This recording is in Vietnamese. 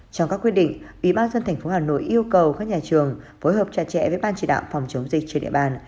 trong các quyết định ủy ban dân thành phố hà nội yêu cầu các nhà trường phối hợp trà trẻ với ban chỉ đạo phòng chống dịch trên địa bàn